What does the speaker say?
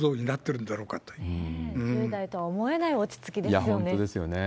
１０代とは思えない落ち着きいや、本当ですよね。